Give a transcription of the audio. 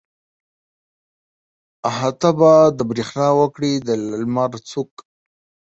احاطه به د برېښنا وکړي د لمر څوک.